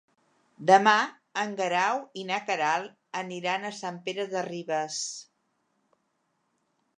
Demà en Guerau i na Queralt aniran a Sant Pere de Ribes.